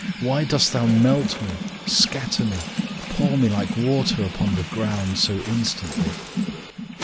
Why dost thou melt me, scatter me, pour me like water upon the ground so instantly?